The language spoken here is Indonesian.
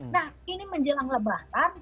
nah ini menjelang lebatan